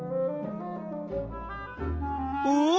お？